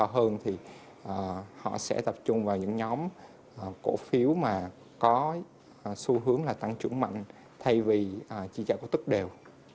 hơn thì họ sẽ tập trung vào những nhóm cổ phiếu mà có xu hướng là tăng trưởng mạnh thay vì chi trả cổ tức đều